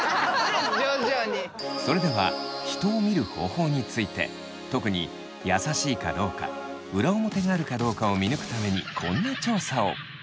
それでは人を見る方法について特に優しいかどうか裏表があるかどうかを見抜くためにこんな調査を。